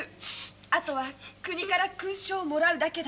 あとは国から勲章をもらうだけだ」。